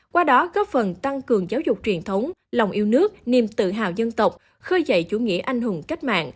qua đó góp phần tăng cường giáo dục truyền thống lòng yêu nước niềm tự hào dân tộc khơi dậy chủ nghĩa anh hùng cách mạng